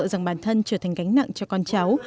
rằng bản thân trở thành gánh nặng cho con cháu